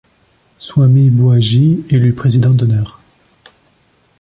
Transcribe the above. Swami Buaji élu président d`honneur.